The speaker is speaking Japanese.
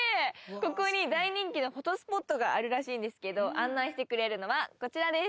ここに大人気のフォトスポットがあるらしいんですけど、案内してくれるのは、こちらです。